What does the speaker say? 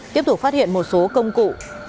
tiếp tục phát hiện một số công cụ